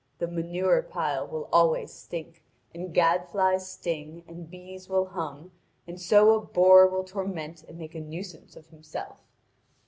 The manure pile will always stink, and gadflies sting, and bees will hum, and so a bore will torment and make a nuisance of himself.